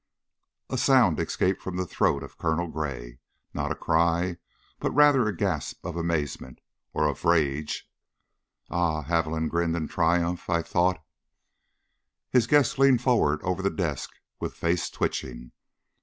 A sound escaped, from the throat of Colonel Gray not a cry, but rather a gasp of amazement, or of rage. "Aha!" Haviland grinned in triumph. "I thought " His guest leaned forward over the desk, with face twitching.